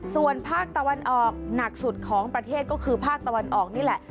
ส่วนภาคตะวันออกหนักสุดของประเทศก็คือภาคตะวันออกนี่แหละ